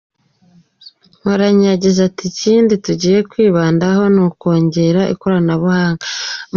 Mporanyi yagize ati “Ikindi tugiye kwibandaho ni ukongera ikoranabuhanga.